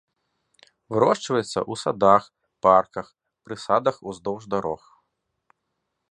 Вырошчваецца ў садах, парках, прысадах уздоўж дарог.